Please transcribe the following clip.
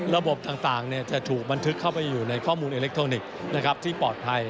ระบบต่างจะถูกบันทึกเข้าไปอยู่ในข้อมูลอิเล็กทรอนิกส์ที่ปลอดภัย